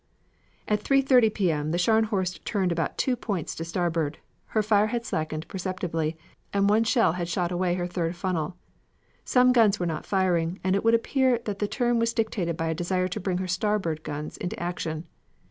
"At 3.30 P. M. the Scharnhorst turned about ten points to starboard, her fire had slackened perceptibly, and one shell had shot away her third funnel. Some guns were not firing, and it would appear that the turn was dictated by a desire to bring her starboard guns into action.